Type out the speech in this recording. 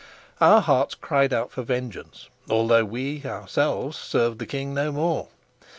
Our hearts cried out for vengeance, although we ourselves served the king no more.